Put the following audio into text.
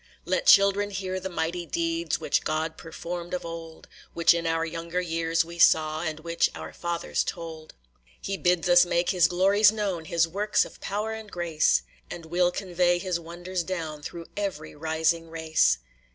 "Let children hear the mighty deeds Which God performed of old, Which in our younger years we saw, And which our fathers told. "He bids us make his glories known, His works of power and grace. And we 'll convey his wonders down Through every rising race.